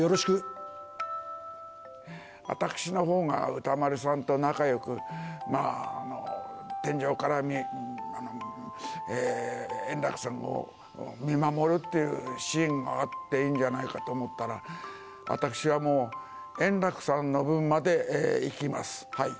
私のほうが歌丸さんと仲よく、まあ、天上から円楽さんを見守るっていうシーンがあっていいんじゃないかと思ったら、私はもう、円楽さんの分まで生きます、はい。